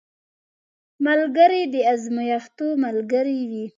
ملګری د ازمېښتو ملګری وي